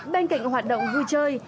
bên cạnh hoạt động vui chơi